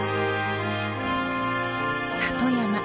里山。